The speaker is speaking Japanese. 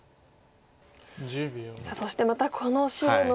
さあそしてまたこの白の大ゲイマ